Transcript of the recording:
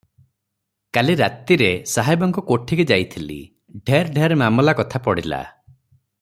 କାଲି ରାତିରେ ସାହେବଙ୍କ କୋଠିକି ଯାଇଥିଲି, ଢେର ଢେର ମାମଲା କଥା ପଡ଼ିଲା ।